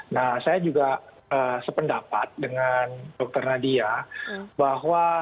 nah saya juga sependapat dengan dr nadia bahwa